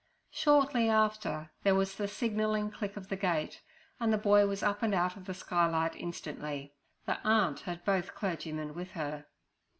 Shortly after there was the signalling click of the gate, and the boy was up and out of the skylight instantly. The aunt had both clergymen with her.